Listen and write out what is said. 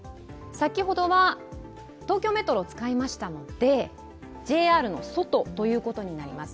先ほどは東京メトロを使いましたのでＪＲの外になります。